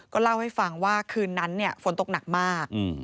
เล่าให้ฟังว่าคืนนั้นฝนตกหนักมาก